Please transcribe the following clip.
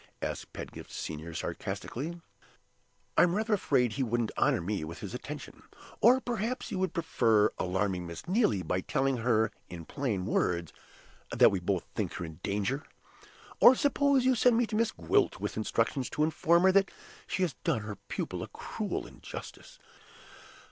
asked Pedgift Senior, sarcastically. "I'm rather afraid he wouldn't honor me with his attention. Or perhaps you would prefer alarming Miss Neelie by telling her in plain words that we both think her in danger? Or, suppose you send me to Miss Gwilt, with instructions to inform her that she has done her pupil a cruel injustice?